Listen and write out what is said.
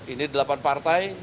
ini delapan partai